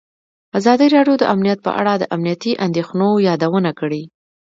ازادي راډیو د امنیت په اړه د امنیتي اندېښنو یادونه کړې.